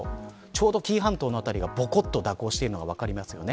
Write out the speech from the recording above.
ちょうど紀伊半島の辺りがぼこっと蛇行しているのが分かります。